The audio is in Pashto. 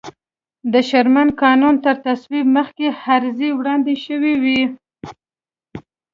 د شرمن قانون تر تصویب مخکې عریضې وړاندې شوې وې.